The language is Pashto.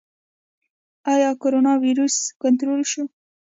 آیا کرونا ویروس کنټرول شو؟